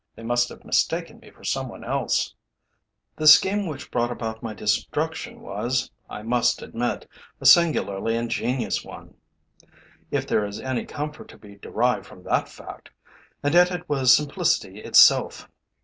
They must have mistaken me for some one else. The scheme which brought about my destruction was, I must admit, a singularly ingenious one, if there is any comfort to be derived from that fact, and yet it was simplicity itself.